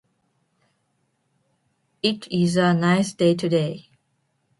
It is a nice day today.